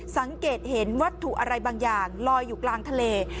สังเกตเห็นวัตถุอะไรบางอย่างลอยอยู่กลางทะเล